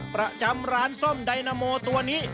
ประจำร้านส้มไดนาโมตัวนี้